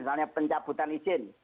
misalnya pencabutan izin